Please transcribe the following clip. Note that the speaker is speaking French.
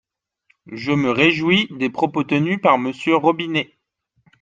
Je me réjouis des propos tenus par Monsieur Robinet.